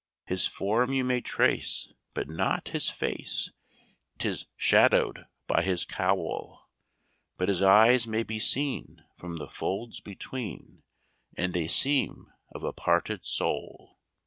His form you may trace, but not his face, 'Tis shadow'd by his cowl; But his eyes may be seen from the folds between, And they seem of a parted soul.